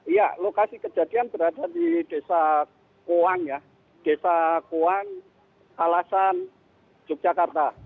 iya lokasi kejadian berada di desa kuang ya desa kuang alasan yogyakarta